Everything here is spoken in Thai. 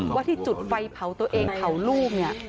ว่าที่จุดไฟเผาตัวเองเผาลูกเนี่ย